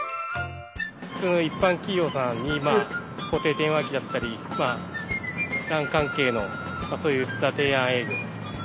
普通の一般企業さんに固定電話機だったりＬＡＮ関係のそういった提案営業を。